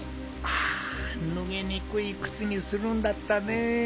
あぬげにくいくつにするんだったね。